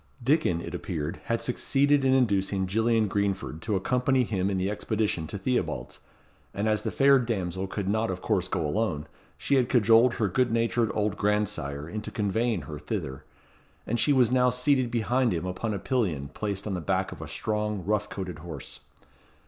Dickon, it appeared, had succeeded in inducing Gillian Greenford to accompany him in the expedition to Theobalds, and as the fair damsel could not of course go alone, she had cajoled her good natured old grandsire into conveying her thither; and she was now seated behind him upon a pillion placed on the back of a strong, rough coated, horse.